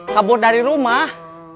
kabur dari rumah